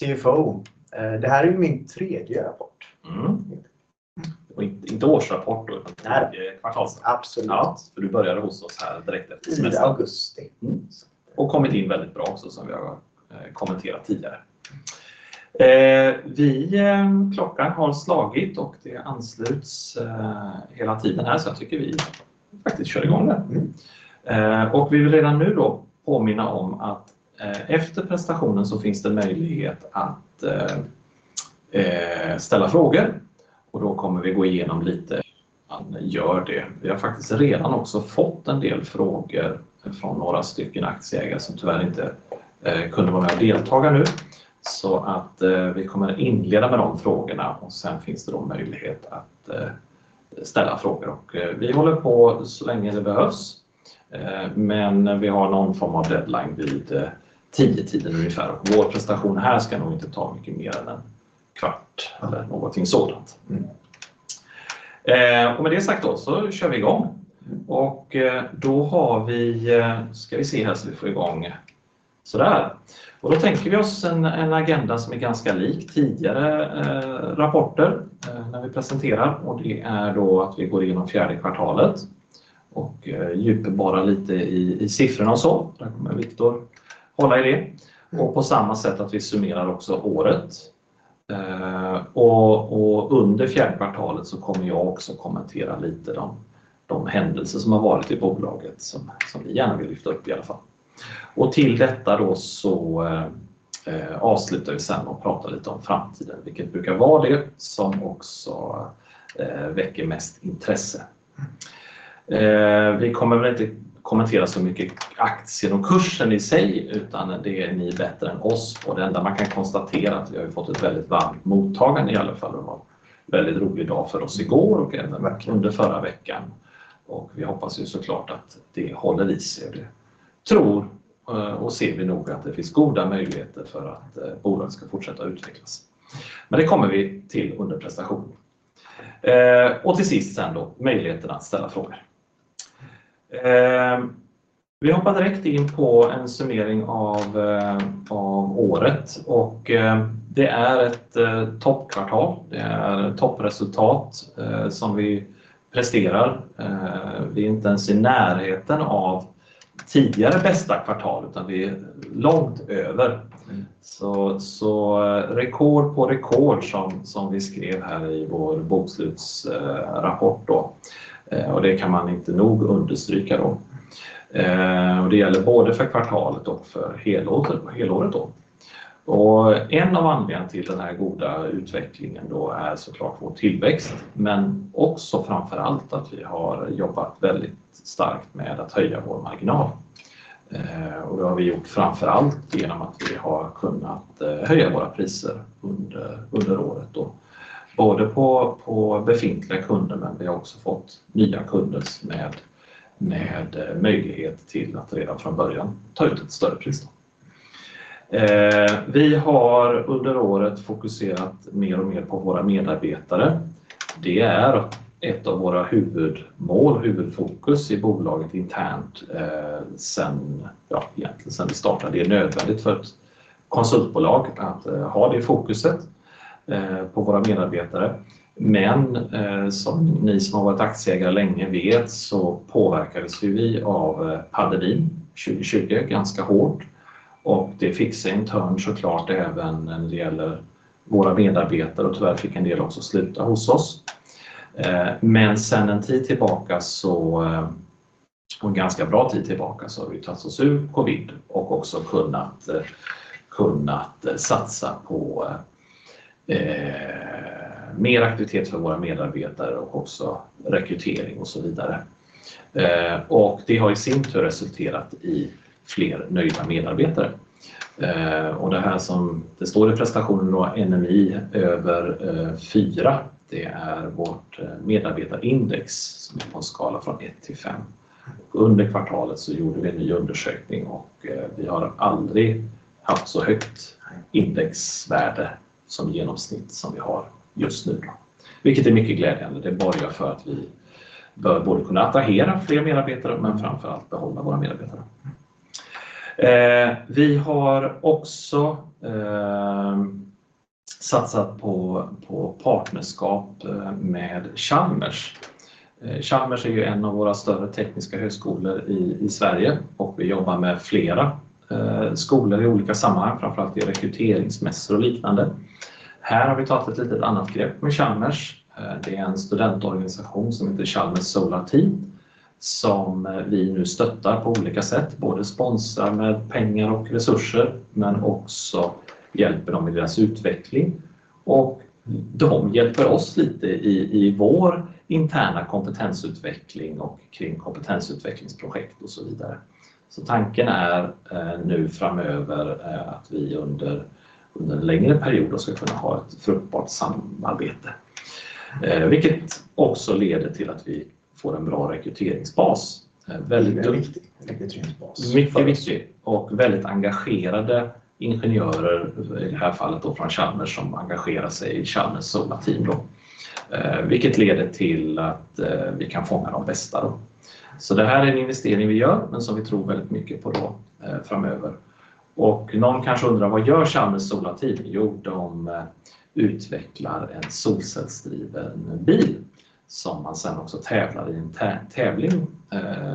CFO. Det här är ju min tredje rapport. inte årsrapport då. Nej utan kvartalsrapport. Absolut. Du började hos oss här direkt efter semestern. I augusti. Kommit in väldigt bra också som vi har kommenterat tidigare. Klockan har slagit och det ansluts hela tiden här så jag tycker vi faktiskt kör i gång då. Vi vill redan nu då påminna om att efter presentationen så finns det möjlighet att ställa frågor och då kommer vi gå igenom lite hur man gör det. Vi har faktiskt redan också fått en del frågor från några stycken aktieägare som tyvärr inte kunde vara med och delta nu. Vi kommer att inleda med de frågorna och sen finns det då möjlighet att ställa frågor. Vi håller på så länge det behövs. Vi har någon form av deadline vid 10:00 A.M. ungefär. Vår presentation här ska nog inte ta mycket mer än en kvart eller någonting sådant. Med det sagt då så kör vi i gång. Ska vi se här så vi får i gång. Sådär. Då tänker vi oss en agenda som är ganska lik tidigare rapporter när vi presenterar. Det är då att vi går igenom fjärde kvartalet och djupborrar lite i siffrorna och så. Där kommer Viktor hålla i det. På samma sätt att vi summerar också året. Under fjärde kvartalet så kommer jag också kommentera lite de händelser som har varit i bolaget som vi gärna vill lyfta upp i alla fall. Till detta då så avslutar vi sen och pratar lite om framtiden, vilket brukar vara det som också väcker mest intresse. Vi kommer väl inte kommentera så mycket aktiekursen i sig, utan det är ni bättre än oss. Det enda man kan konstatera att vi har fått ett väldigt varmt mottagande i alla fall. Det var en väldigt rolig dag för oss i går och även under förra veckan. Vi hoppas ju så klart att det håller i sig. Det tror och ser vi nog att det finns goda möjligheter för att bolaget ska fortsätta utvecklas. Det kommer vi till under presentationen. Till sist sen då möjligheten att ställa frågor. Vi hoppar direkt in på en summering av året och det är ett toppkvartal. Det är toppresultat som vi presterar. Vi är inte ens i närheten av tidigare bästa kvartal, utan vi är långt över. Rekord på rekord som vi skrev här i vår bokslutsrapport då. Det kan man inte nog understryka då. Det gäller både för kvartalet och för helåret då. En av anledningarna till den här goda utvecklingen då är så klart vår tillväxt, men också framför allt att vi har jobbat väldigt starkt med att höja vår marginal. Och det har vi gjort framför allt genom att vi har kunnat höja våra priser under året då. Både på befintliga kunder, men vi har också fått nya kunder med möjlighet till att redan från början ta ut ett större pris då. Vi har under året fokuserat mer och mer på våra medarbetare. Det är ett av våra huvudmål, huvudfokus i bolaget internt sen, ja egentligen sen vi startade. Det är nödvändigt för ett konsultbolag att ha det fokuset på våra medarbetare. Som ni som har varit aktieägare länge vet så påverkades ju vi av pandemin 2020 ganska hårt. Det fick sig en törn så klart även när det gäller våra medarbetare. Tyvärr fick en del också sluta hos oss. Sen en tid tillbaka så, en ganska bra tid tillbaka, så har vi tagit oss ur covid och också kunnat satsa på mer aktivitet för våra medarbetare och också rekrytering och så vidare. Det har i sin tur resulterat i fler nöjda medarbetare. Det här som det står i presentationen då, NMI över 4. Det är vårt medarbetarindex som är på en skala från 1 till 5. Under kvartalet så gjorde vi en ny undersökning och vi har aldrig haft så högt indexvärde som genomsnitt som vi har just nu då. Vilket är mycket glädjande. Det borgar för att vi bör både kunna attrahera fler medarbetare men framför allt behålla våra medarbetare. Vi har också satsat på partnerskap med Chalmers. Chalmers är ju en av våra större tekniska högskolor i Sverige och vi jobbar med flera skolor i olika sammanhang, framför allt i rekryteringsmässor och liknande. Här har vi tagit ett litet annat grepp med Chalmers. Det är en studentorganisation som heter Chalmers Solar Team som vi nu stöttar på olika sätt, både sponsrar med pengar och resurser, men också hjälper dem i deras utveckling. Och de hjälper oss lite i vår interna kompetensutveckling och kring kompetensutvecklingsprojekt och så vidare. Tanken är nu framöver att vi under en längre period då ska kunna ha ett fruktbart samarbete, vilket också leder till att vi får en bra rekryteringsbas. Väldigt viktig rekryteringsbas. Mycket viktigt och väldigt engagerade ingenjörer, i det här fallet från Chalmers, som engagerar sig i Chalmers Solar Team då. Vilket leder till att vi kan fånga de bästa då. Det här är en investering vi gör, men som vi tror väldigt mycket på då framöver. Någon kanske undrar vad gör Chalmers Solar Team? Jo, de utvecklar en solcellsdriven bil. Som man sedan också tävlar i en tävling,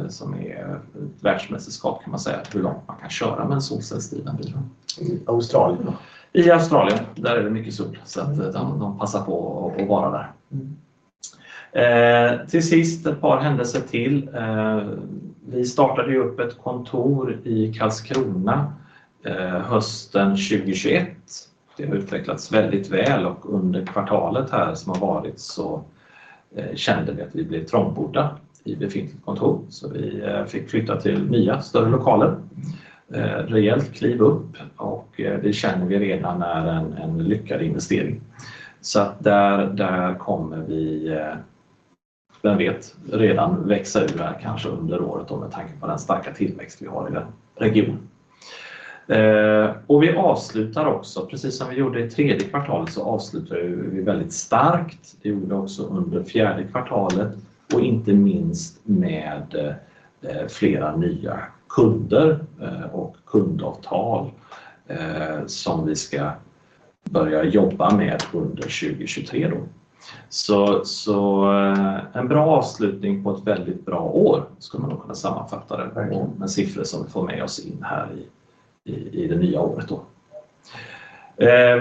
som är ett världsmästerskap kan man säga, hur långt man kan köra med en solcellsdriven bil. I Australia då? I Australien. Där är det mycket sol så att de passar på att vara där. Till sist ett par händelser till. Vi startade ju upp ett kontor i Karlskrona hösten 2021. Det har utvecklats väldigt väl och under kvartalet här som har varit så kände vi att vi blev trångbodda i befintligt kontor. Vi fick flytta till nya, större lokaler. Rejält kliv upp och det känner vi redan är en lyckad investering. Där kommer vi, vem vet, redan växa ur det här kanske under året då med tanke på den starka tillväxt vi har i den regionen. Vi avslutar också, precis som vi gjorde i tredje kvartalet, avslutar ju vi väldigt starkt. Det gjorde vi också under fjärde kvartalet och inte minst med, flera nya kunder, och kundavtal, som vi ska börja jobba med under 2023 då. En bra avslutning på ett väldigt bra år ska man nog kunna sammanfatta det med siffror som vi får med oss in här i det nya året då.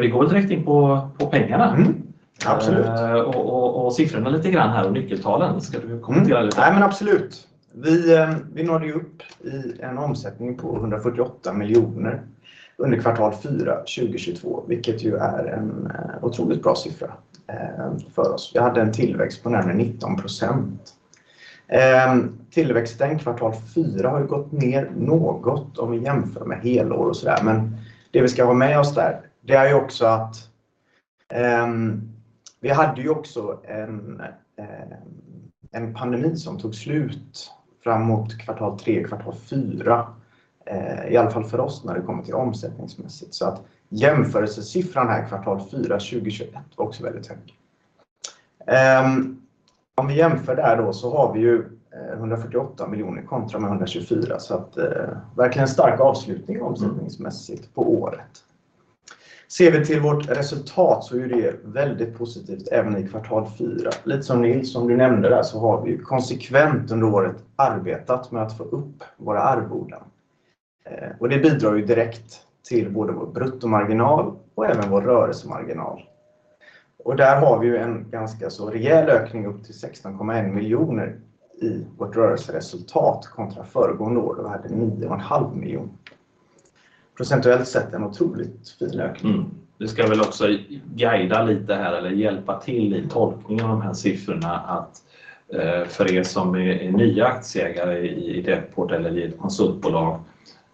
Vi går väl direkt in på pengarna. Absolut. Siffrorna lite grann här och nyckeltalen. Ska du kommentera lite? Absolut. Vi når ju upp i en omsättning på 148 million under Q4 2022, vilket ju är en otroligt bra siffra för oss. Vi hade en tillväxt på närmare 19%. Tillväxten Q4 har ju gått ner något om vi jämför med helår och sådär. Det vi ska ha med oss där, det är ju också att vi hade ju också en pandemi som tog slut framåt Q3, Q4, i alla fall för oss när det kommer till omsättningsmässigt. Jämförelsesiffran här Q4 2021 var också väldigt hög. Om vi jämför där då så har vi ju 148 million kontra med 124 million. Verkligen en stark avslutning omsättningsmässigt på året. Ser vi till vårt resultat så är ju det väldigt positivt även i Q4. Lite som Nils, som du nämnde där, har vi konsekvent under året arbetat med att få upp våra arvoden. Det bidrar ju direkt till både vår bruttomarginal och även vår rörelsemarginal. Där har vi ju en ganska så rejäl ökning upp till 16.1 million i vårt rörelseresultat kontra föregående år då vi hade 9.5 million. Procentuellt sett en otroligt fin ökning. Vi ska väl också guida lite här eller hjälpa till i tolkningen av de här siffrorna att för er som är nya aktieägare i DevPort eller i ett konsultbolag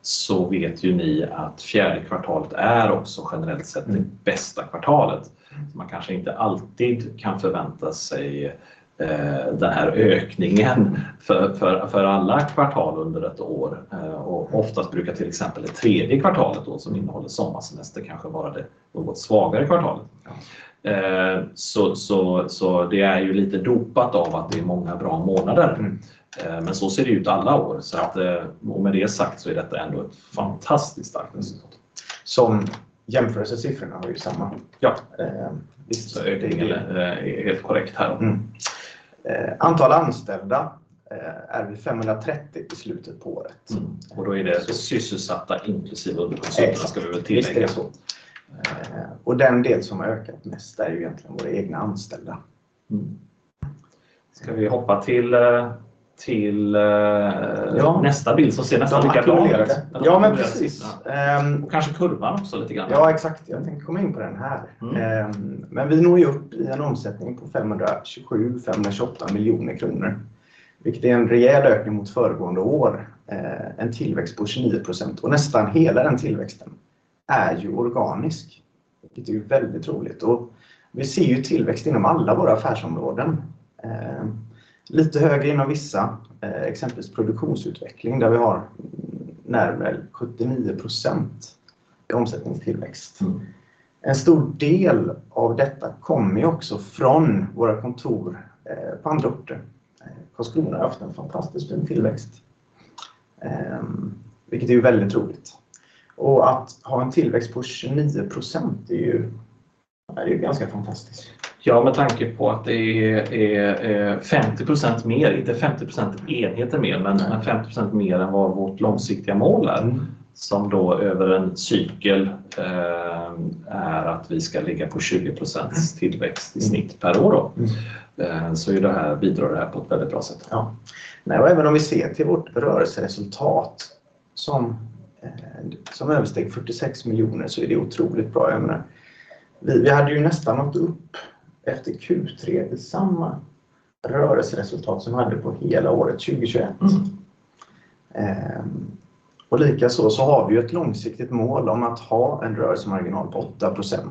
så vet ju ni att fjärde kvartalet är också generellt sett det bästa kvartalet. Man kanske inte alltid kan förvänta sig den här ökningen för alla kvartal under ett år. Oftast brukar till exempel det tredje kvartalet då som innehåller sommarsemester kanske vara det något svagare kvartalet. Så det är ju lite dopat av att det är många bra månader. Så ser det ut alla år. Med det sagt är detta ändå ett fantastiskt starkt resultat. Som jämförelsesiffrorna har ju. Ja. visst. är det helt korrekt här då. Antal anställda är vi 530 i slutet på året. Då är det sysselsatta inklusive underkonsulterna ska vi väl tillägga. Den del som har ökat mest är ju egentligen våra egna anställda. Ska vi hoppa till. Ja. Nästa bild ser vi nästan ackumulerat. Ja, men precis. Kanske kurvan också lite grann. Ja, exakt. Jag tänkte komma in på den här. Vi når ju upp i en omsättning på 527-528 million kronor, vilket är en rejäl ökning mot föregående år. En tillväxt på 29% och nästan hela den tillväxten är ju organisk, vilket är ju väldigt roligt. Vi ser ju tillväxt inom alla våra affärsområden. Lite högre inom vissa, exempelvis Produktionsutveckling, där vi har närmare 79% i omsättningstillväxt. En stor del av detta kommer ju också från våra kontor på andra orter. Karlskrona har haft en fantastiskt fin tillväxt, vilket är ju väldigt roligt. Att ha en tillväxt på 29% är ju, ja det är ju ganska fantastiskt. Med tanke på att det är 50% mer, inte 50% enheter mer, men 50% mer än vad vårt långsiktiga mål är. Som då över en cykel är att vi ska ligga på 20% tillväxt i snitt per år då. Är ju det här, bidrar det här på ett väldigt bra sätt. Ja. Även om vi ser till vårt rörelseresultat som översteg 46 million, så är det otroligt bra. Jag menar, vi hade ju nästan nått upp efter Q3 i samma rörelseresultat som vi hade på hela året 2021. Likaså så har we ett långsiktigt mål om att ha en rörelsemarginal på 8%.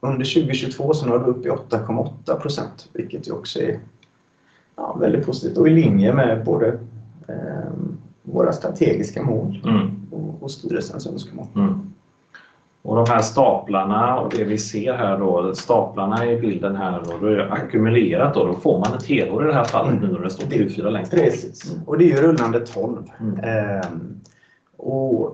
Under 2022 så når vi upp i 8.8%, vilket ju också är, ja, väldigt positivt och i linje med både våra strategiska mål och styrelsens önskemål. De här staplarna och det vi ser här då, staplarna i bilden här då är det ackumulerat då. Då får man ett helår i det här fallet nu när det står Q4 längst till höger. Precis. Det är ju rullande 12.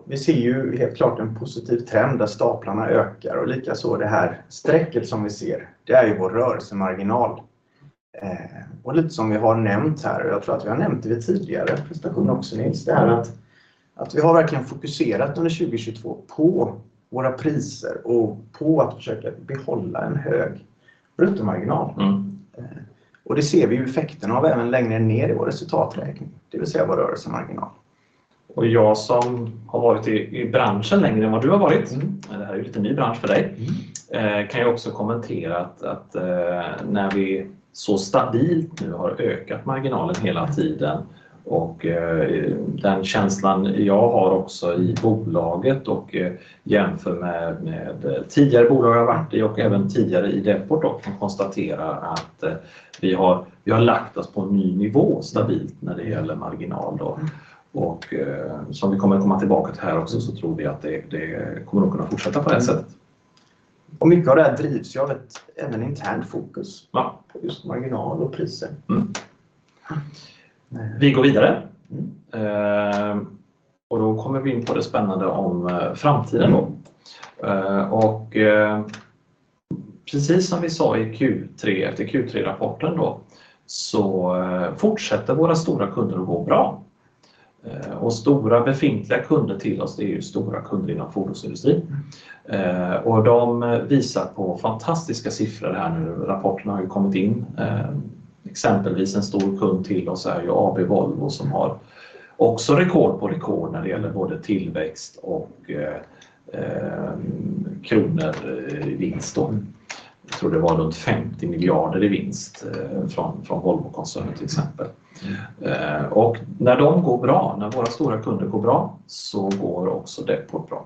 Vi ser ju helt klart en positiv trend där staplarna ökar och likaså det här strecket som vi ser, det är ju vår rörelsemarginal. Lite som vi har nämnt här och jag tror att vi har nämnt det vid tidigare presentation också, Nils, det är att vi har verkligen fokuserat under 2022 på våra priser och på att försöka behålla en hög bruttomarginal. Det ser vi ju effekterna av även längre ner i vår resultaträkning, det vill säga vår rörelsemarginal. Jag som har varit i branschen längre än vad du har varit, det här är ju lite ny bransch för dig, kan jag också kommentera att när vi så stabilt nu har ökat marginalen hela tiden och den känslan jag har också i bolaget och jämför med tidigare bolag jag har varit i och även tidigare i DevPort då kan konstatera att vi har lagt oss på en ny nivå stabilt när det gäller marginal då. Som vi kommer att komma tillbaka till här också så tror vi att det kommer att kunna fortsätta på det sättet. Mycket av det här drivs ju av ett även internt fokus på just marginal och priser. Vi går vidare. Kommer vi in på det spännande om framtiden då. Precis som vi sa i Q3, efter Q3-rapporten då, fortsätter våra stora kunder att gå bra. Stora befintliga kunder till oss är ju stora kunder inom fordonsindustrin. De visar på fantastiska siffror här nu. Rapporten har ju kommit in. Exempelvis, en stor kund till oss är ju AB Volvo som har också rekord på rekord när det gäller både tillväxt och kronor i vinst då. Jag tror det var runt 50 miljarder i vinst från Volvokoncernen till exempel. När de går bra, när våra stora kunder går bra, går också DevPort bra.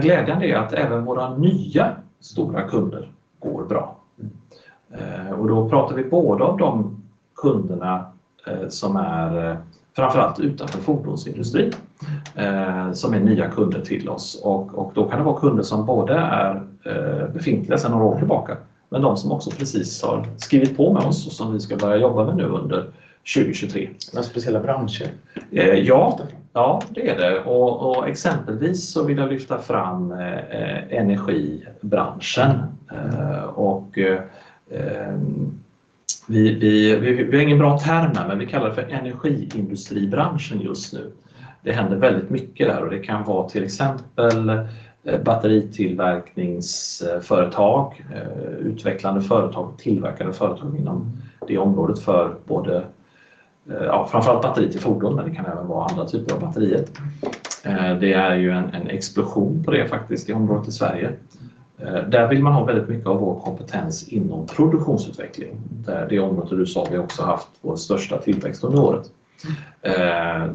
Glädjande är att även våra nya stora kunder går bra. Då pratar vi både om de kunderna som är framför allt utanför fordonsindustrin, som är nya kunder till oss. Då kan det vara kunder som både är befintliga sedan några år tillbaka, men de som också precis har skrivit på med oss och som vi ska börja jobba med nu under 2023. Några speciella branscher? Ja, ja det är det. Exempelvis så vill jag lyfta fram energibranschen. Vi har ingen bra term här, men vi kallar det för energiindustribranschen just nu. Det händer väldigt mycket där och det kan vara till exempel batteritillverkningsföretag, utvecklande företag, tillverkande företag inom det området för både, ja framför allt batteri till fordon, men det kan även vara andra typer av batterier. Det är ju en explosion på det faktiskt i området i Sverige. Där vill man ha väldigt mycket av vår kompetens inom Produktionsutveckling. Det området du sa vi också haft vår största tillväxt under året.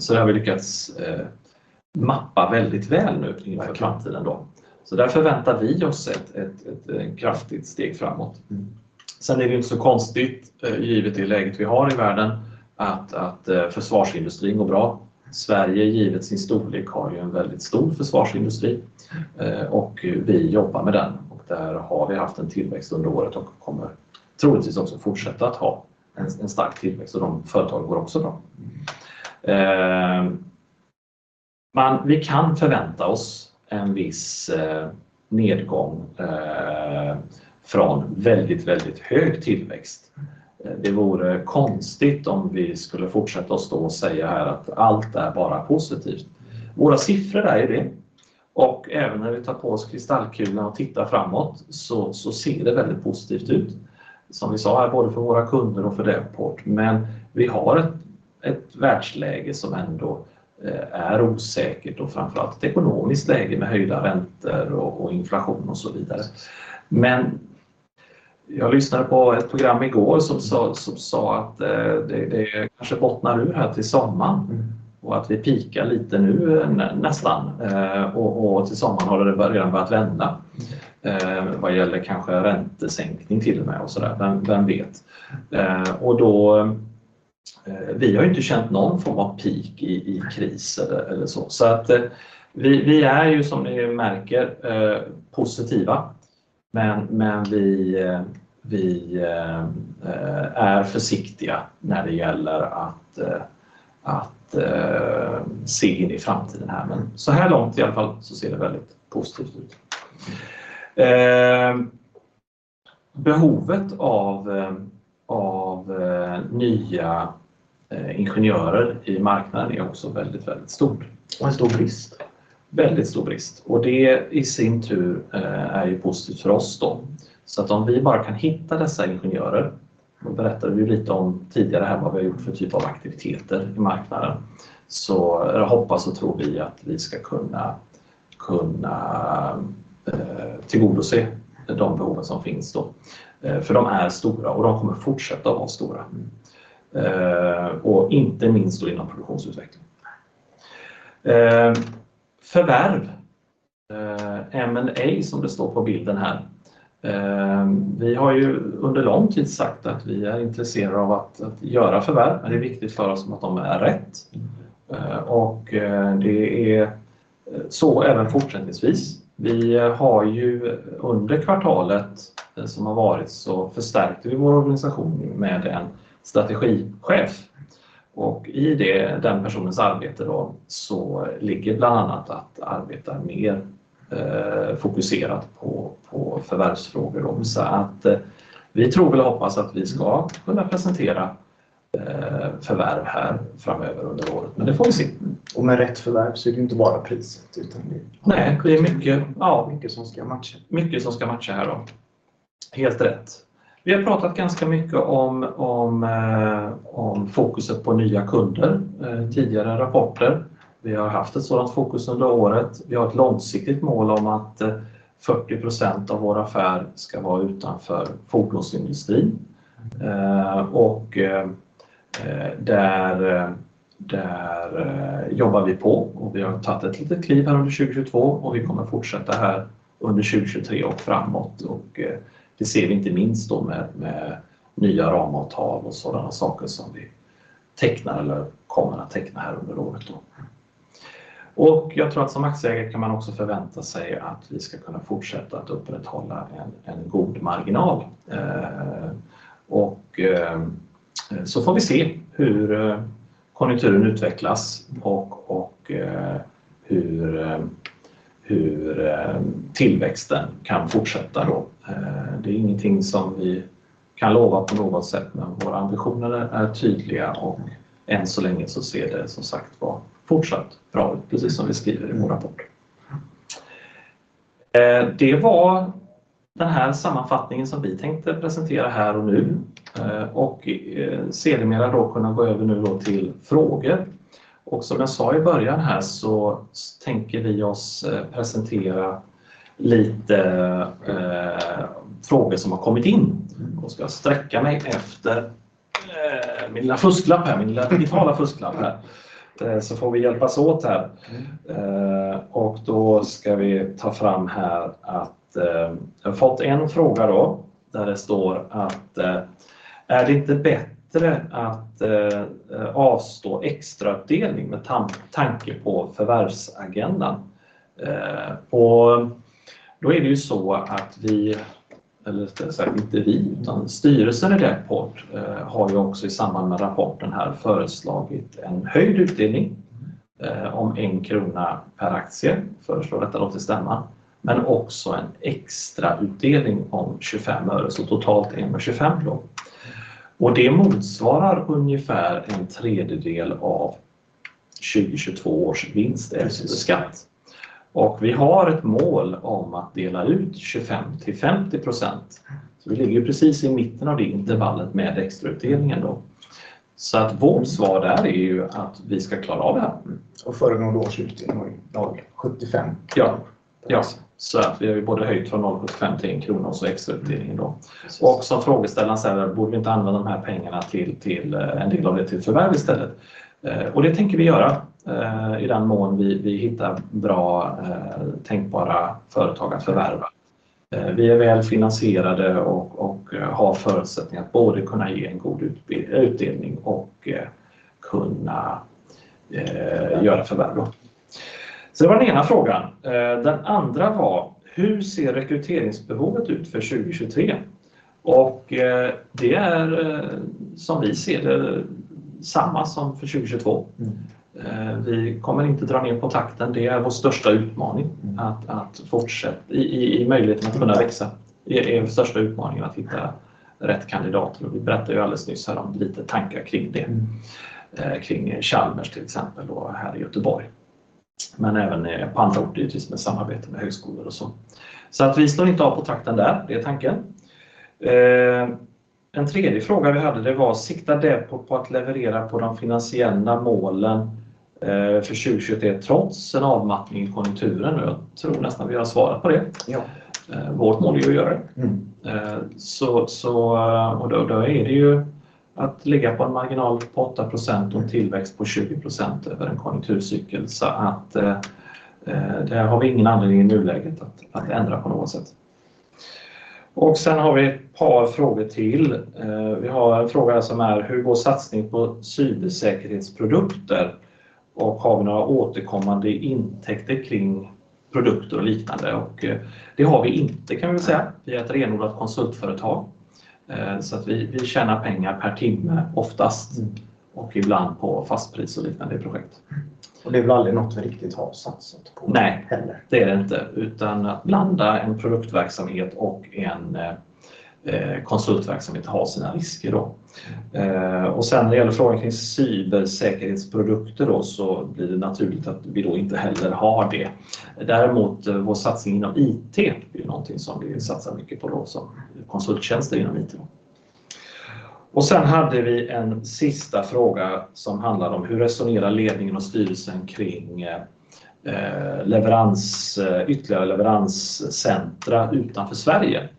Det har vi lyckats mappa väldigt väl nu inför framtiden då. Därför väntar vi oss ett kraftigt steg framåt. Är det ju inte så konstigt, givet det läget vi har i världen, att försvarsindustrin går bra. Sverige, givet sin storlek, har ju en väldigt stor försvarsindustri, och vi jobbar med den och där har vi haft en tillväxt under året och kommer troligtvis också fortsätta att ha en stark tillväxt och de företagen går också bra. Vi kan förvänta oss en viss nedgång från väldigt hög tillväxt. Det vore konstigt om vi skulle fortsätta att stå och säga här att allt är bara positivt. Våra siffror är ju det. Även när vi tar på oss kristallkula och tittar framåt så ser det väldigt positivt ut. Som vi sa här, både för våra kunder och för DevPort. Vi har ett världsläge som ändå är osäkert och framför allt ett ekonomiskt läge med höjda räntor och inflation och så vidare. Jag lyssnade på ett program i går som sa att det kanske bottnar ur här till sommaren och att vi peakar lite nu, nästan. Och till sommaren har det redan börjat vända. Vad gäller kanske räntesänkning till och med och så där. Vem vet? Vi har inte känt någon form av peak i kris eller så. Vi är ju som ni märker, positiva. Vi är försiktiga när det gäller att se in i framtiden här. Såhär långt i alla fall så ser det väldigt positivt ut. Behovet av nya ingenjörer i marknaden är också väldigt stort. en stor brist. Väldigt stor brist. Det i sin tur är ju positivt för oss då. Om vi bara kan hitta dessa ingenjörer, då berättade vi lite om tidigare här vad vi har gjort för typ av aktiviteter i marknaden. Hoppas och tror vi att vi ska kunna tillgodose de behoven som finns då. För de är stora och de kommer fortsätta vara stora. Och inte minst då inom Produktionsutveckling. Förvärv. M&A som det står på bilden här. Vi har ju under lång tid sagt att vi är intresserade av att göra förvärv, men det är viktigt för oss att de är rätt. Och det är så även fortsättningsvis. Vi har ju under kvartalet som har varit så förstärkte vi vår organisation med en strategichef. I det, den personens arbete då så ligger bland annat att arbeta mer, fokuserat på förvärvsfrågor. Vi tror väl och hoppas att vi ska kunna presentera förvärv här framöver under året. Det får vi se. Med rätt förvärv så är det ju inte bara priset... Nej, det är mycket- Ja, mycket som ska matcha. Mycket som ska matcha här då. Helt rätt. Vi har pratat ganska mycket om fokuset på nya kunder i tidigare rapporter. Vi har haft ett sådant fokus under året. Vi har ett långsiktigt mål om att 40% av vår affär ska vara utanför fordonsindustrin. Där jobbar vi på och vi har tagit ett litet kliv här under 2022 och vi kommer att fortsätta här under 2023 och framåt. Det ser vi inte minst då med nya ramavtal och sådana saker som vi tecknar eller kommer att teckna här under året då. Jag tror att som aktieägare kan man också förvänta sig att vi ska kunna fortsätta att upprätthålla en god marginal. Så får vi se hur konjunkturen utvecklas och hur tillväxten kan fortsätta då. Det är ingenting som vi kan lova på något sätt, men våra ambitioner är tydliga och än så länge så ser det som sagt var fortsatt bra ut, precis som vi skriver i vår rapport. Det var den här sammanfattningen som vi tänkte presentera här och nu och sedermera då kunna gå över nu då till frågor. Som jag sa i början här så tänker vi oss presentera lite frågor som har kommit in. Då ska jag sträcka mig efter min lilla fusklapp här, min lilla digitala fusklapp här. Så får vi hjälpas åt här. Då ska vi ta fram här att jag har fått en fråga då där det står att: "Är det inte bättre att avstå extra utdelning med tam-tanke på förvärvsagendan?" Då är det ju så att vi, eller såhär, inte vi, utan styrelsen i DevPort har ju också i samband med rapporten här föreslagit en höjd utdelning om 1 krona per aktie. Föreslår detta låter stämma, men också en extra utdelning om 25 öre, så totalt 1.25 kronor då. Det motsvarar ungefär en tredjedel av 2022 års vinst efter skatt. Vi har ett mål om att dela ut 25%-50%. Vi ligger precis i mitten av det intervallet med extra utdelningen då. Vårt svar där är ju att vi ska klara av det här. Förra årets utdelning var ju 0.75. Ja, ja. Vi har ju både höjt från 0.75 till 1 kronor och så extra utdelningen då. Som frågeställaren säger, borde vi inte använda de här pengarna till en del av det till förvärv istället? Det tänker vi göra i den mån vi hittar bra tänkbara företag att förvärva. Vi är väl finansierade och har förutsättningar att både kunna ge en god utdelning och kunna göra förvärv då. Det var den ena frågan. Den andra var: "Hur ser rekryteringsbehovet ut för 2023?" Det är som vi ser det samma som för 2022. Vi kommer inte dra ner på takten. Det är vår största utmaning att i möjligheten att kunna växa är vår största utmaning att hitta rätt kandidater. Vi berättade ju alldeles nyss här om lite tankar kring det, kring Chalmers till exempel då här i Göteborg. Även på andra ort naturligtvis med samarbete med högskolor och så. Vi slår inte av på takten där. Det är tanken. En tredje fråga vi hade, det var: "Siktar DevPort på att leverera på de finansiella målen för 2023 trots en avmattning i konjunkturen?" Jag tror nästan vi har svarat på det. Ja. Vårt mål är ju att göra det. Så och då är det ju att ligga på en marginal på 8% och en tillväxt på 20% över en konjunkturcykel. Det har vi ingen anledning i nuläget att ändra på något sätt. Vi har ett par frågor till. Vi har en fråga som är: "Hur går satsning på cybersäkerhetsprodukter? Och har vi några återkommande intäkter kring produkter och liknande?" Det har vi inte kan vi väl säga. Vi är ett renodlat konsultföretag. Vi tjänar pengar per timme oftast och ibland på fastpris och liknande projekt. Det är väl aldrig något vi riktigt har satsat på? Det är det inte. Att blanda en produktverksamhet och en konsultverksamhet har sina risker då. När det gäller frågor kring cybersäkerhetsprodukter då så blir det naturligt att vi då inte heller har det. Däremot vår satsning inom IT är ju någonting som vi satsar mycket på då som konsulttjänster inom IT. Hade vi en sista fråga som handlade om: "Hur resonerar ledningen och styrelsen kring leverans, ytterligare leveranscentra utanför Sverige?"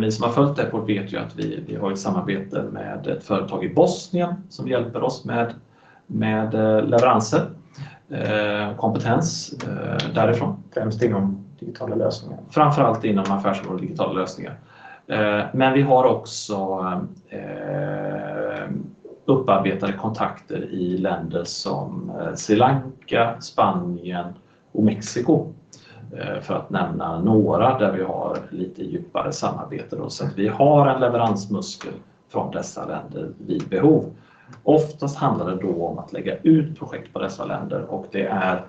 Ni som har följt DevPort vet ju att vi har ett samarbete med ett företag i Bosnien som hjälper us med leveranser och kompetens därifrån. Främst inom Digitala lösningar. Framför allt inom affärsstöd och Digitala lösningar. Vi har också upparbetade kontakter i länder som Sri Lanka, Spanien och Mexiko, för att nämna några där vi har lite djupare samarbeten. Vi har en leveransmuskel från dessa länder vid behov. Oftast handlar det då om att lägga ut projekt på dessa länder, det är,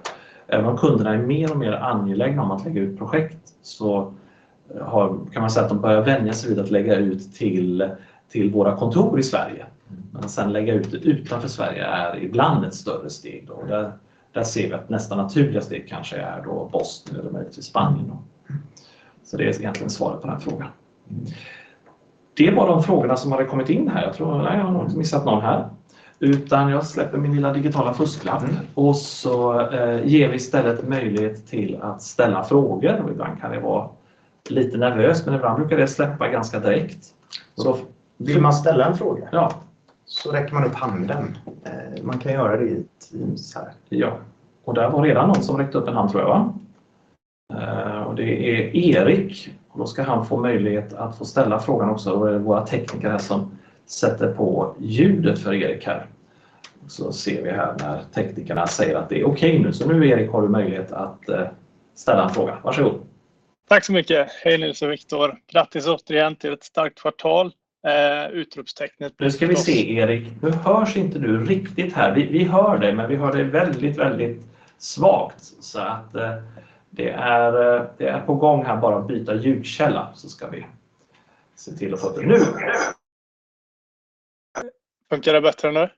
även om kunderna är mer och mer angelägna om att lägga ut projekt, kan man säga att de börjar vänja sig vid att lägga ut till våra kontor i Sverige. Sen lägga ut det utanför Sverige är ibland ett större steg. Där ser vi att nästa naturliga steg kanske är då Bosnien eller möjligtvis Spanien då. Det är egentligen svaret på den frågan. Det var de frågorna som hade kommit in här. Jag tror, nej jag har nog inte missat någon här. Jag släpper min lilla digitala fusklapp och så ger vi istället möjlighet till att ställa frågor. Ibland kan det vara lite nervöst, men ibland brukar det släppa ganska direkt. Vill man ställa en fråga? Ja. Räcker man upp handen. Man kan göra det i Teams här. Ja, där var redan någon som räckte upp en hand tror jag va. Det är Erik. Ska han få möjlighet att få ställa frågan också. Är det våra tekniker här som sätter på ljudet för Erik här. Ser vi här när teknikerna säger att det är okej nu. Nu Erik har du möjlighet att ställa en fråga. Varsågod. Tack så mycket. Hej Nils och Viktor. Grattis återigen till ett starkt kvartal. Nu ska vi se, Erik. Nu hörs inte du riktigt här. Vi hör dig, men vi hör dig väldigt svagt. Det är på gång här bara att byta ljudkälla. Ska vi se till att få det nu. Funkar det bättre nu?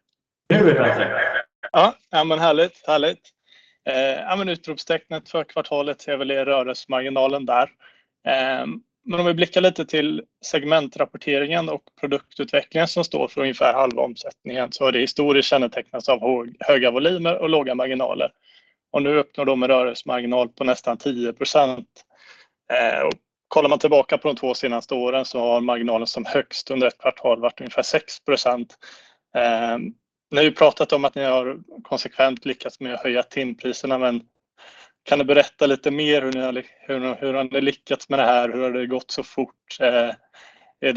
Nu är det bättre. Härligt. Utropstecknet för kvartalet ser väl er rörelsemarginal där. Om vi blickar lite till segmentrapporteringen och Produktutvecklingen som står för ungefär halva omsättningen, så har det historiskt kännetecknats av höga volymer och låga marginaler. Nu öppnar de en rörelsemarginal på nästan 10%. Kollar man tillbaka på de två senaste åren så har marginalen som högst under ett kvartal varit ungefär 6%. Ni har ju pratat om att ni har konsekvent lyckats med att höja timpriserna, kan du berätta lite mer hur ni har lyckats med det här? Hur har det gått så fort? Är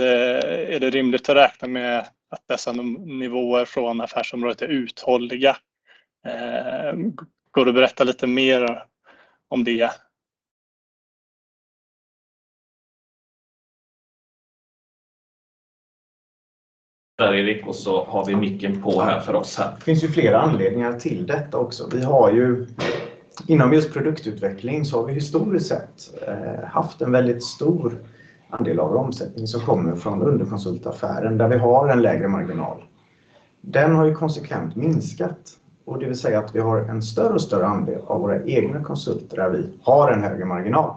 det rimligt att räkna med att dessa nivåer från affärsområdet är uthålliga? Går det att berätta lite mer om det? För Erik och så har vi micken på här för oss här. Det finns ju flera anledningar till detta också. Vi har ju inom just Produktutveckling så har vi historiskt sett haft en väldigt stor andel av omsättning som kommer från underkonsultaffären där vi har en lägre marginal. Den har ju konsekvent minskat och det vill säga att vi har en större och större andel av våra egna konsulter där vi har en högre marginal.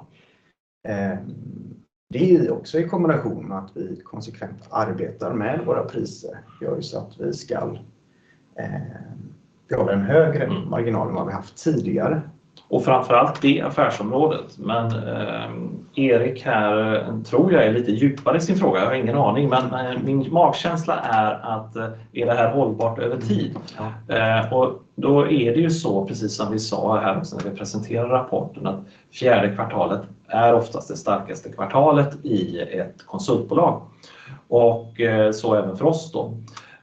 Det är också i kombination med att vi konsekvent arbetar med våra priser gör ju så att vi ska ha en högre marginal än vad vi haft tidigare. Framför allt det affärsområdet. Erik här tror jag är lite djupare i sin fråga. Jag har ingen aning, men min magkänsla är att är det här hållbart över tid? Då är det ju så, precis som vi sa här också när vi presenterar rapporten, att fjärde kvartalet är oftast det starkaste kvartalet i ett konsultbolag. Så även för oss då,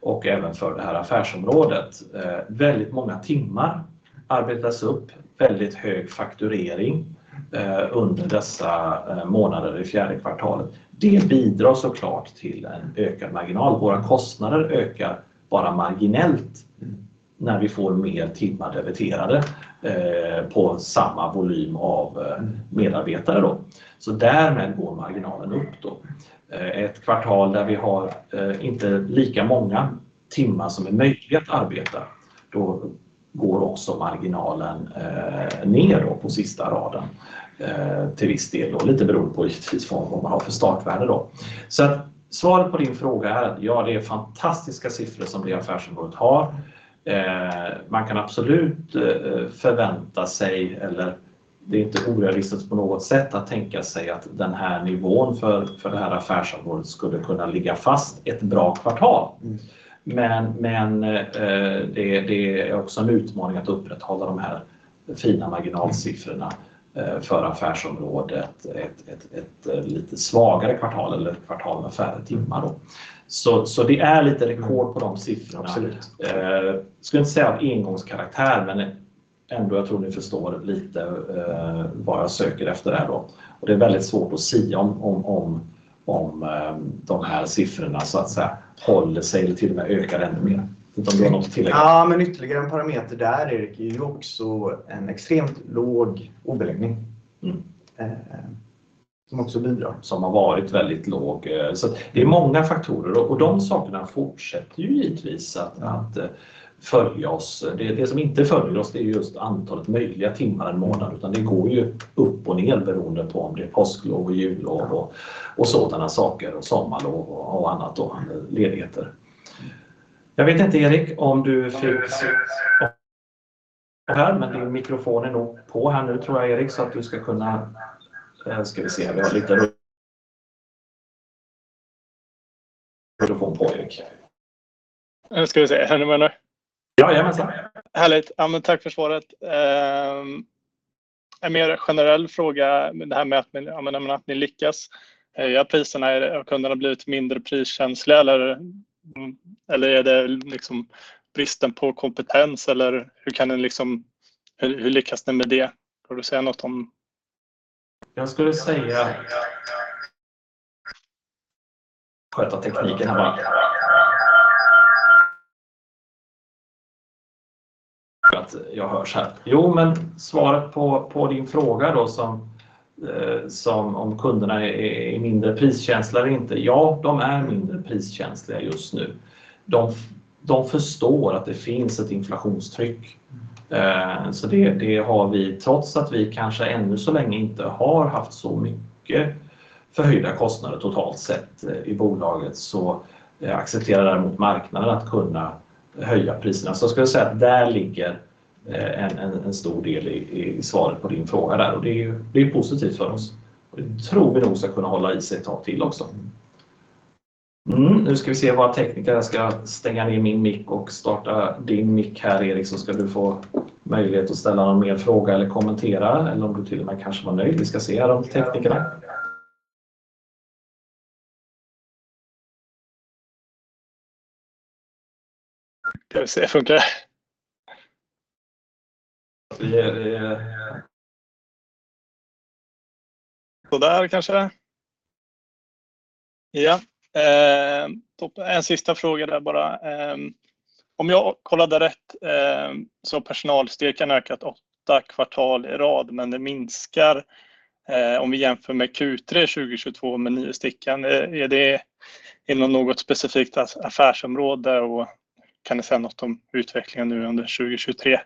och även för det här affärsområdet. Väldigt många timmar arbetas upp, väldigt hög fakturering under dessa månader i fjärde kvartalet. Det bidrar så klart till en ökad marginal. Våra kostnader ökar bara marginellt när vi får mer timmar debiterade på samma volym av medarbetare då. Därmed går marginalen upp då. Ett kvartal där vi har inte lika många timmar som är möjligt att arbeta, då går också marginalen ner då på sista raden. Till viss del då, lite beroende på givetvis från vad man har för startvärde då. Svaret på din fråga är ja, det är fantastiska siffror som det affärsområdet har. Man kan absolut förvänta sig eller det är inte orimligt på något sätt att tänka sig att den här nivån för det här affärsområdet skulle kunna ligga fast ett bra kvartal. Det är också en utmaning att upprätthålla de här fina marginalsiffrorna för affärsområdet. Ett lite svagare kvartal eller ett kvartal med färre timmar då. Det är lite rekord på de siffrorna. Absolut. Skulle inte säga av engångskaraktär, men ändå jag tror ni förstår lite vad jag söker efter där då. Det är väldigt svårt att sia om de här siffrorna så att säga håller sig eller till och med ökar ännu mer. Utan du har något att tillägga. Ytterligare en parameter där Erik är ju också en extremt låg obeläggning. Som också bidrar. Som har varit väldigt låg. Det är många faktorer och de sakerna fortsätter ju givetvis att följa oss. Det som inte följer oss det är just antalet möjliga timmar en månad, utan det går ju upp och ner beroende på om det är påsklov och jullov och sådana saker och sommarlov och annat då, ledigheter. Jag vet inte Erik om du fick. Din mikrofon är nog på här nu tror jag Erik, så att du ska kunna. Ska vi se, vi har lite. Mikrofon på Erik. Nu ska vi se, hör ni mig nu? Jajamensan. Härligt. Ja men tack för svaret. En mer generell fråga med det här med att ni lyckas. Är det att priserna, kunderna har blivit mindre priskänsliga eller? Är det liksom bristen på kompetens? Hur kan den Hur lyckas ni med det? Kan du säga något om? Jag skulle säga. Sköta tekniken här bak. Att jag hörs här. Svaret på din fråga då som om kunderna är mindre priskänsliga eller inte. De är mindre priskänsliga just nu. De förstår att det finns ett inflationstryck. Det har vi trots att vi kanske ännu så länge inte har haft så mycket förhöjda kostnader totalt sett i bolaget, accepterar däremot marknaden att kunna höja priserna. Skulle jag säga att där ligger en stor del i svaret på din fråga där. Det är positivt för oss. Det tror vi nog ska kunna hålla i sig ett tag till också. Våra tekniker ska stänga ner min mick och starta din mick här Erik, ska du få möjlighet att ställa någon mer fråga eller kommentera. Om du till och med kanske var nöjd. Vi ska se här de teknikerna. Ska vi se, funkar det? Vi är... Sådär kanske. Ja, en sista fråga där bara. Om jag kollade rätt, så har personalstyrkan ökat 8 kvartal i rad, men det minskar, om vi jämför med Q3 2022 med 9 stickan. Är det inom något specifikt affärsområde? Kan ni säga något om utvecklingen nu under 2023?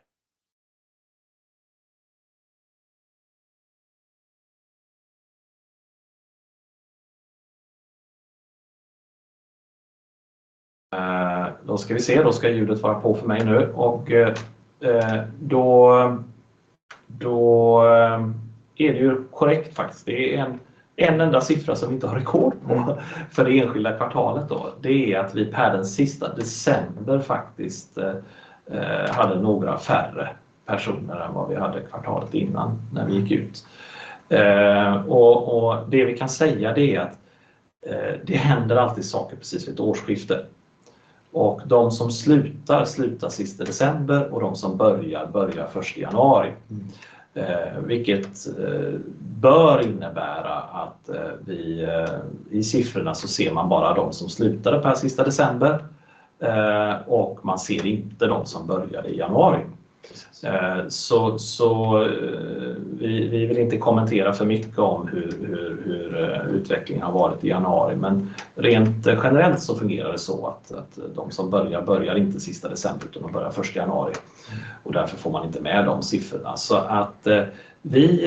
Ska vi se. Ska ljudet vara på för mig nu. Då är det ju korrekt faktiskt. Det är en enda siffra som vi inte har rekord på för det enskilda kvartalet då. Det är att vi per den sista december faktiskt, hade några färre personer än vad vi hade kvartalet innan när vi gick ut. Det vi kan säga det är att det händer alltid saker precis vid ett årsskifte. De som slutar sista december och de som börjar första januari. Vilket bör innebära att vi i siffrorna så ser man bara de som slutade per sista december. Man ser inte de som började i januari. Vi vill inte kommentera för mycket om hur utvecklingen har varit i januari. Rent generellt så fungerar det så att de som börjar inte sista december, utan de börjar första januari och därför får man inte med de siffrorna. Vi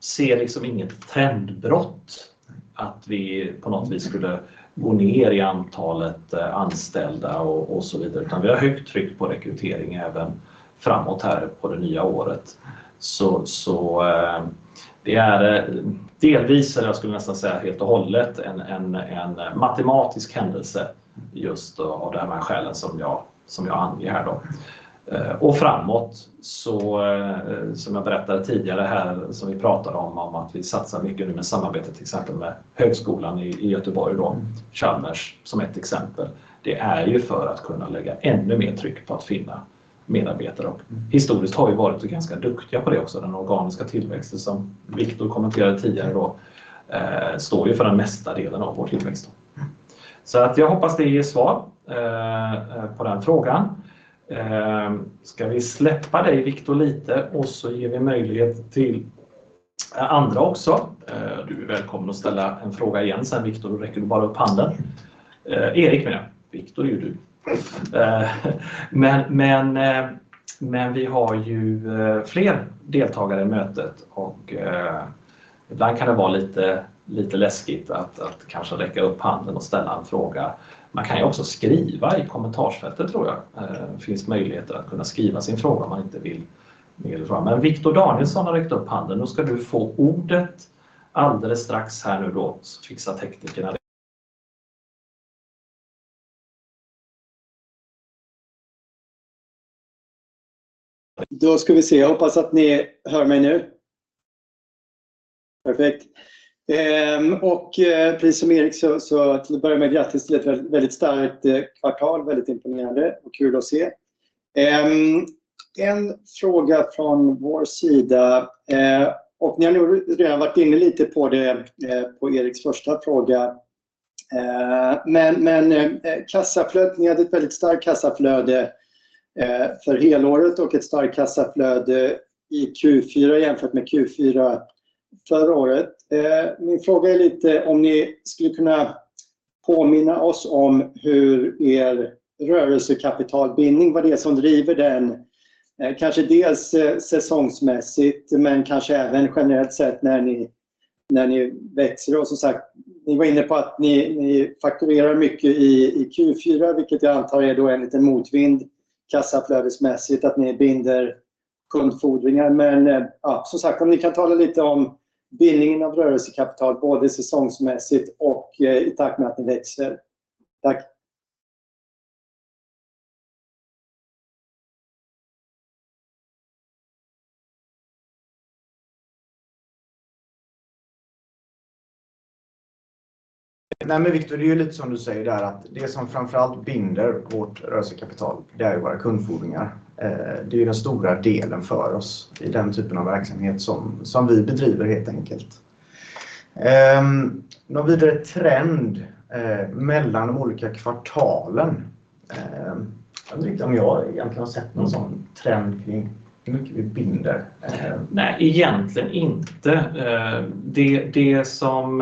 ser liksom inget trendbrott att vi på något vis skulle gå ner i antalet anställda och så vidare. Vi har högt tryck på rekrytering även framåt här på det nya året. Det är delvis eller jag skulle nästan säga helt och hållet en matematisk händelse just av det här skälen som jag anger här då. Framåt så som jag berättade tidigare här, som vi pratade om att vi satsar mycket nu med samarbete till exempel med högskolan i Göteborg då, Chalmers, som ett exempel. Det är ju för att kunna lägga ännu mer tryck på att finna medarbetare. Historiskt har vi varit ganska duktiga på det också. Den organiska tillväxten som Viktor kommenterade tidigare då, står ju för den mesta delen av vår tillväxt. Jag hoppas det ger svar på den frågan. Ska vi släppa dig Viktor lite och så ger vi möjlighet till andra också? Du är välkommen att ställa en fråga igen sen Viktor, då räcker du bara upp handen. Erik menar jag. Viktor är ju du. Men vi har ju fler deltagare i mötet och ibland kan det vara lite läskigt att kanske räcka upp handen och ställa en fråga. Man kan ju också skriva i kommentarsfältet tror jag. Finns möjligheter att kunna skriva sin fråga om man inte vill med fråga. Viktor Danielsson har räckt upp handen. Ska du få ordet alldeles strax här nu då. Fixa teknikerna. Ska vi se. Jag hoppas att ni hör mig nu. Perfekt. Precis som Erik så till att börja med grattis till ett väldigt starkt kvartal. Väldigt imponerande och kul att se. En fråga från vår sida, ni har nog redan varit inne lite på det på Eriks första fråga. Men kassaflöden, ni hade ett väldigt starkt kassaflöde för helåret och ett starkt kassaflöde i Q4 jämfört med Q4 förra året. Min fråga är lite om ni skulle kunna påminna oss om hur er rörelsekapitalbindning var det som driver den. Kanske dels säsongsmässigt, men kanske även generellt sett när ni växer. Som sagt, ni var inne på att ni fakturerar mycket i Q4, vilket jag antar är då en liten motvind kassaflödesmässigt att ni binder kundfordringar. Ja, som sagt, om ni kan tala lite om bindningen av rörelsekapital, både säsongsmässigt och i takt med att ni växer. Tack. Viktor, det är ju lite som du säger där att det som framför allt binder vårt rörelsekapital, det är ju våra kundfordringar. Det är ju den stora delen för oss i den typen av verksamhet som vi bedriver helt enkelt. Någon vidare trend mellan de olika kvartalen. Jag vet inte om jag egentligen har sett någon sådan trend kring hur mycket vi binder. Nej, egentligen inte. Det som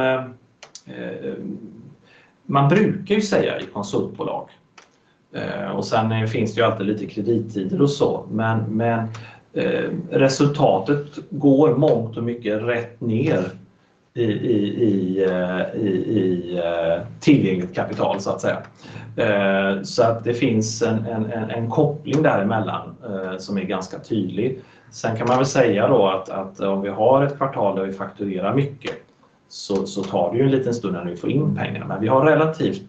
man brukar ju säga i konsultbolag, och sen finns det ju alltid lite kredittider och så. Resultatet går mångt och mycket rätt ner i tillgängligt kapital så att säga. Så att det finns en koppling däremellan, som är ganska tydlig. Kan man väl säga då att om vi har ett kvartal där vi fakturerar mycket så tar det ju en liten stund när vi får in pengarna. Vi har relativt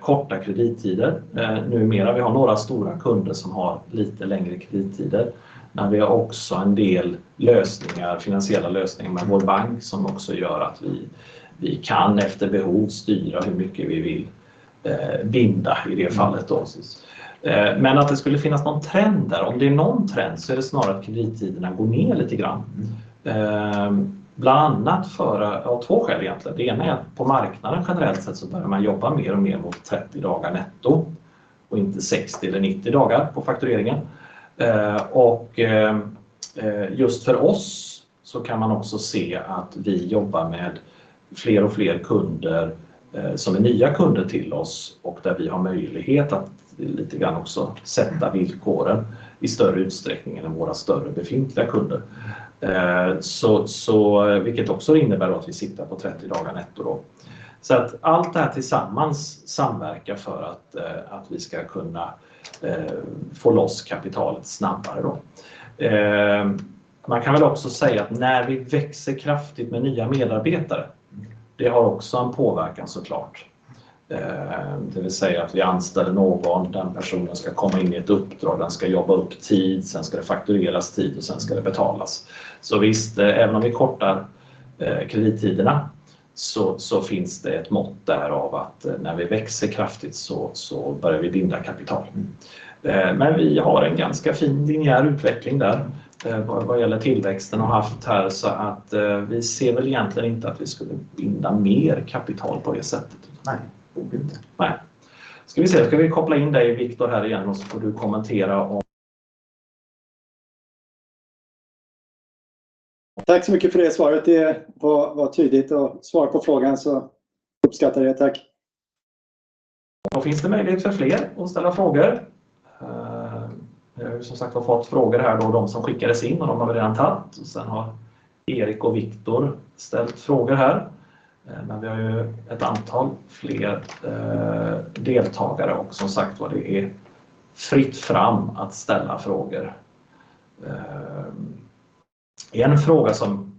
korta kredittider numera. Vi har några stora kunder som har lite längre kredittider, men vi har också en del lösningar, finansiella lösningar med vår bank som också gör att vi kan efter behov styra hur mycket vi vill binda i det fallet då. Att det skulle finnas någon trend där. Om det är någon trend så är det snarare att kredittiderna går ner lite grann. Bland annat av två skäl egentligen. Det ena är att på marknaden generellt sett så börjar man jobba mer och mer mot 30 dagar netto och inte 60 eller 90 dagar på faktureringen. Och just för oss så kan man också se att vi jobbar med fler och fler kunder, som är nya kunder till oss och där vi har möjlighet att lite grann också sätta villkoren i större utsträckning än våra större befintliga kunder. Vilket också innebär att vi sitter på 30 dagar netto då. Så att allt det här tillsammans samverkar för att vi ska kunna få loss kapitalet snabbare då. Man kan väl också säga att när vi växer kraftigt med nya medarbetare, det har också en påverkan så klart. Det vill säga att vi anställer någon, den personen ska komma in i ett uppdrag, den ska jobba upp tid, sen ska det faktureras tid och sen ska det betalas. Visst, även om vi kortar kredittiderna så finns det ett mått därav att när vi växer kraftigt så börjar vi binda kapital. Men vi har en ganska fin linjär utveckling där vad gäller tillväxten och haft här så att vi ser väl egentligen inte att vi skulle binda mer kapital på det sättet. Nej, det borde vi inte. Nej. Ska vi se, ska vi koppla in dig Viktor här igen och så får du kommentera om- Tack så mycket för det svaret. Det var tydligt och svarar på frågan så uppskattar jag det. Tack! Då finns det möjlighet för fler att ställa frågor. Vi har ju som sagt var fått frågor här då de som skickades in och de har vi redan tagit. Erik och Viktor ställt frågor här. Vi har ju ett antal fler deltagare och som sagt var, det är fritt fram att ställa frågor. En fråga som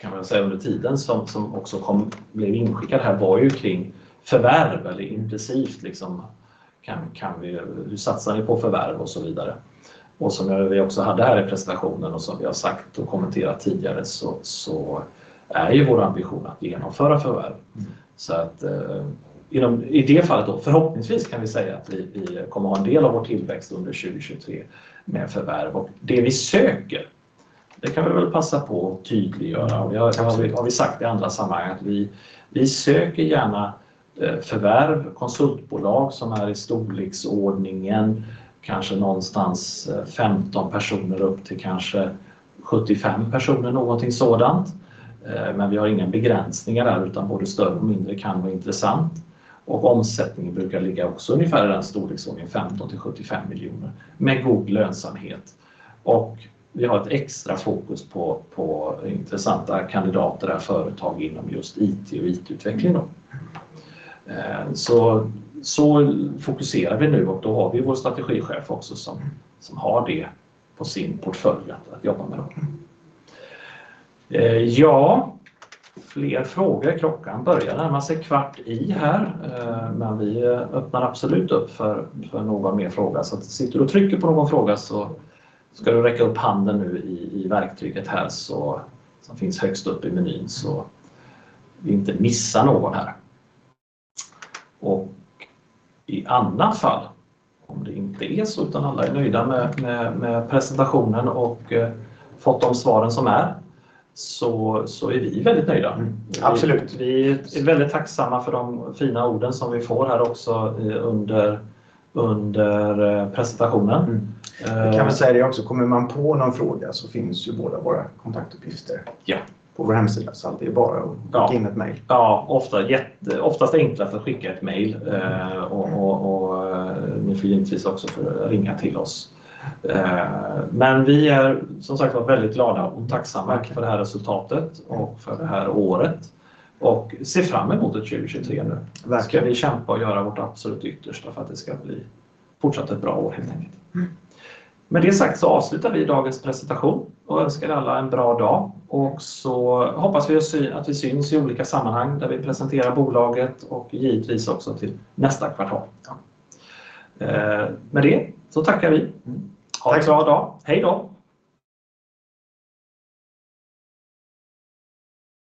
kan man väl säga under tiden som också kom, blev inskickad här var ju kring förvärv eller förvärvsintresse. Liksom kan vi hur satsar ni på förvärv och så vidare. Som vi också hade här i presentationen och som vi har sagt och kommenterat tidigare så är ju vår ambition att genomföra förvärv. I det fallet då förhoppningsvis kan vi säga att vi kommer att ha en del av vår tillväxt under 2023 med förvärv. Det vi söker, det kan vi väl passa på att tydliggöra. Det har vi sagt i andra sammanhang att vi söker gärna förvärv, konsultbolag som är i storleksordningen, kanske någonstans 15 personer upp till kanske 75 personer, någonting sådant. Vi har ingen begränsning där utan både större och mindre kan vara intressant. Omsättningen brukar ligga också ungefär i den storleksordningen 15 miljoner-75 miljoner med god lönsamhet. Vi har ett extra fokus på intressanta kandidater där företag inom just IT och IT-utveckling då. Så fokuserar vi nu och då har vi vår Strategichef också som har det på sin portfölj att jobba med dem. Ja, fler frågor. Klockan börjar närma sig kvart i här, vi öppnar absolut upp för någon mer fråga. Att sitter du och trycker på någon fråga så ska du räcka upp handen nu i verktyget här som finns högst upp i menyn så vi inte missar någon här. I annat fall, om det inte är så, utan alla är nöjda med presentationen och fått de svaren som är, så är vi väldigt nöjda. Absolut. Vi är väldigt tacksamma för de fina orden som vi får här också under presentationen. Vi kan väl säga det också. Kommer man på någon fråga så finns ju båda våra kontaktuppgifter. Ja. På vår hemsida. Det är bara att plocka in ett mejl. Ja, ofta oftast enklast att skicka ett mejl. Ni får givetvis också ringa till oss. Vi är som sagt var väldigt glada och tacksamma för det här resultatet och för det här året och ser fram emot 2023 nu. Verkligen. Ska vi kämpa och göra vårt absolut yttersta för att det ska bli fortsatt ett bra år helt enkelt. Med det sagt avslutar vi dagens presentation och önskar alla en bra dag. Hoppas vi att vi syns i olika sammanhang där vi presenterar bolaget och givetvis också till nästa kvartal. Ja. Med det så tackar vi. Tack. Ha en bra dag. Hejdå!